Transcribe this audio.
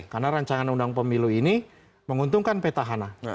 karena rancangan undang undang pemilu ini menguntungkan peta hana